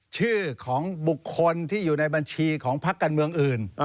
ชื่อของบุคคลที่อยู่ในบัญชีของพักการเมืองอื่น